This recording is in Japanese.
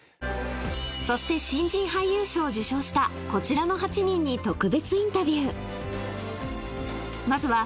そして新人俳優賞を受賞したこちらの８人に特別インタビュー